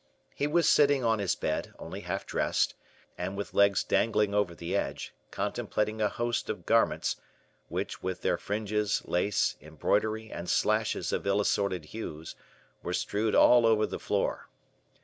He was sitting on his bed, only half dressed, and with legs dangling over the edge, contemplating a host of garments, which with their fringes, lace, embroidery, and slashes of ill assorted hues, were strewed all over the floor.